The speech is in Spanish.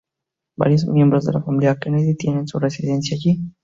Varios miembros de la familia Kennedy tienen su residencia allí.